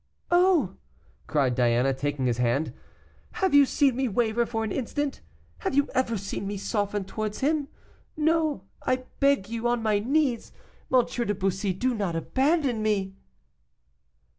"Oh!" cried Diana, taking his hand. "Have you seen me waver for an instant; have you ever seen me soften towards him? No. I beg you, on my knees, M. de Bussy, not to abandon me."